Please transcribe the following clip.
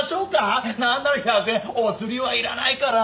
何なら１００円お釣りは要らないから。